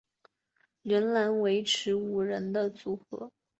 仍然维持五人的组合。